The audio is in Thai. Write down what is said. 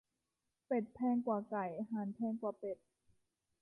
เป็ดแพงกว่าไก่ ห่านแพงกว่าเป็ด